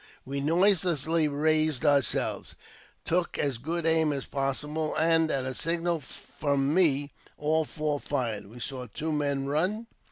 We noiselessly raised ourselves, took as good aim as possible, and, at a signal from me, all four fired. We saw two men run.